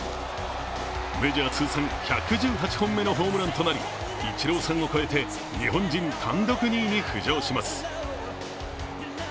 メジャー通算１１８本目のホームランとなり、イチローさんを超えて日本人単独２位に浮上します。